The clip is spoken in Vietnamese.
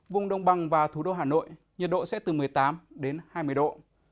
vùng đồng bằng và thủ đô hà nội nhiệt độ sẽ từ một mươi tám đến hai mươi độ